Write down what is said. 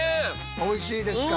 おいしいですか？